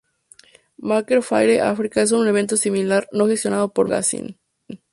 Maker Faire Africa es un evento similar, no gestionado por "Make" magazine.